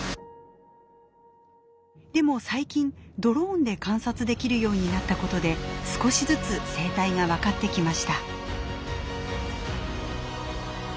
でも最近ドローンで観察できるようになったことで少しずつ生態が分かってきました。